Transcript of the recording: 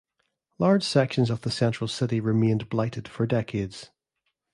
Large sections of the central city remained blighted for decades.